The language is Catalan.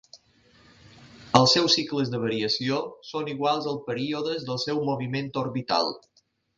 Els seus cicles de variació són iguals als períodes del seu moviment orbital.